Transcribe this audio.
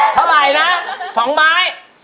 เท่าไหร่นะ๒ไม้